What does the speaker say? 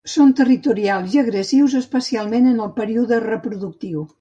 Són territorials i agressius, especialment en el període reproductiu.